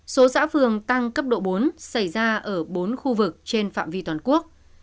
số xã phường tăng cấp độ bốn xảy ra ở bốn khu vực trên phạm vi toàn quốc